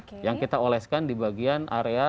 oke yang kita oleskan di bagian area